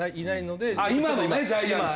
今のねジャイアンツ。